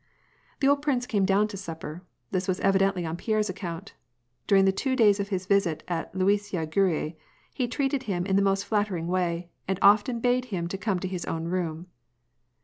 The old prince came down to supper : this was evidently on Pierre's account. During the two days of his visit at Luisiya Gonii, he treated him in the most nattering way, and often bade him come to his own room.